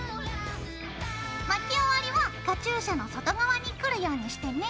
巻き終わりはカチューシャの外側にくるようにしてね。